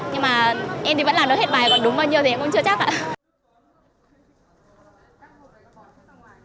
nhưng mà em thì vẫn làm được hết bài còn đúng bao nhiêu thì em cũng chưa chắc cả